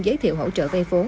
giới thiệu hỗ trợ vây phốn